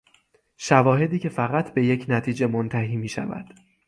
شواهدی که فقط به یک نتیجه منتهی میشود.